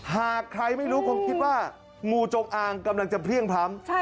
หากใครไม่รู้คงคิดว่างูจงอางกำลังจะเพลี่ยงพล้ำ